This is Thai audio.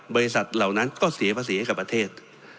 เหล่านั้นก็เสียภาษีให้กับประเทศ